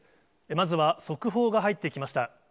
まずは、速報が入ってきました。